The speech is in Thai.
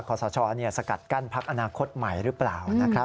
คอสชอนี่จะศักดิ์กั้นพักอนาคตใหม่หรือเปล่า